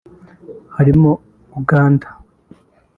harimo Uganda